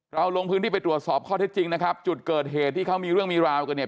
ลงพื้นที่ไปตรวจสอบข้อเท็จจริงนะครับจุดเกิดเหตุที่เขามีเรื่องมีราวกันเนี่ย